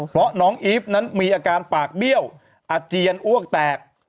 เพราะน้องอีฟนั้นมีอาการปากเบี้ยวอาเจียนอ้วกแตก